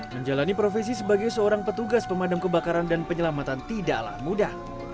menjalani profesi sebagai seorang petugas pemadam kebakaran dan penyelamatan tidaklah mudah